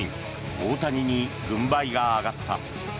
大谷に軍配が上がった。